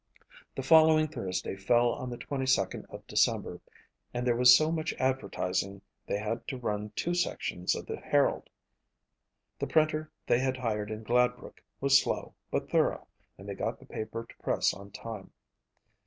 The following Thursday fell on the 22nd of December and there was so much advertising they had to run two sections of the Herald. The printer they had hired in Gladbrook was slow but thorough and they got the paper to press on time.